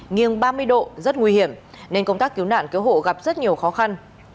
nghiêng ba mươi độ rất nguy hiểm nên công tác cứu nạn cứu hộ gặp rất nhiều khó khăn